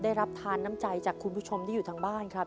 ได้รับทานน้ำใจจากคุณผู้ชมที่อยู่ทางบ้านครับ